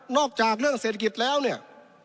อกจากเรื่องเศรษฐกิจแล้วเนี่ย